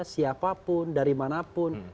siapapun dari manapun